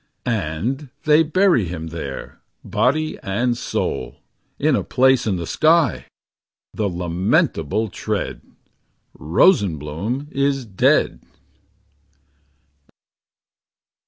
And they bury him there. Body and soul. In a place in the sky. The lamentable tread! Rosenbloom is dead.